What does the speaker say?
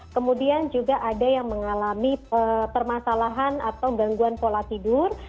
kemudian juga ada yang mengalami permasalahan atau gangguan pola tidur